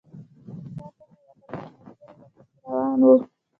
شاته مې وکتل ملګري راپسې روان وو.